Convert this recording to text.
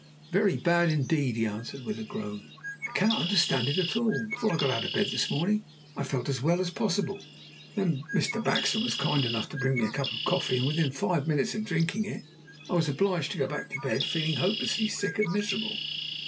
"Very bad, indeed!" he answered, with a groan. "I cannot understand it at all. Before I got out of bed this morning I felt as well as possible. Then Mr. Baxter was kind enough to bring me a cup of coffee, and within five minutes of drinking it, I was obliged to go back to bed feeling hopelessly sick and miserable."